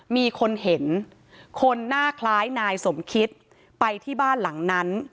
มีคนเห็นคนหน้าคล้ายนายสมคิตไปที่บ้านหลังนั้น